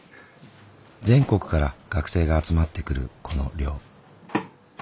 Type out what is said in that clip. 全国から学生が集まってくるこの寮。